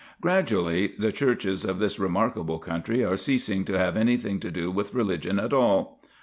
Gradually the churches of this remarkable country are ceasing to have anything to do with religion at all.